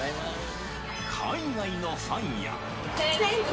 海外のファンや。